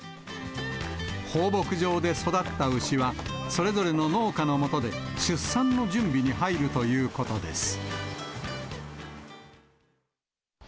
放牧場で育った牛は、それぞれの農家のもとで、出産の準備に入るということです。